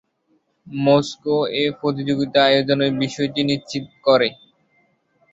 Moscow এ প্রতিযোগিতা আয়োজনের বিষয়টি নিশ্চিত করে।